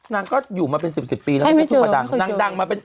นางก็อยู่มาเป็น๑๐ปีแล้ว